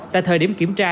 tại thời điểm kiểm tra